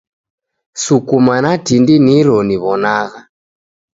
Sukuma na tindi niro niw'onagha.